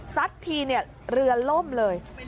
ทีเนี่ยเรือล่มเลย